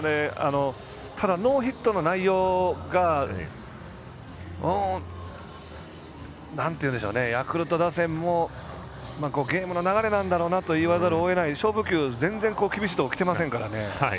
ただノーヒットの内容がヤクルト打線もゲームの流れなんだろうなと言わざるをえない勝負球、全然厳しいところきてませんからね。